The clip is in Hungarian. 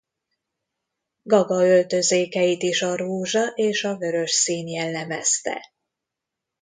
Gaga öltözékeit is a rózsa és a vörös szín jellemezte.